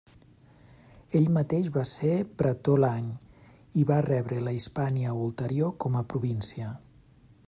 Ell mateix va ser pretor l'any i va rebre la Hispània Ulterior com a província.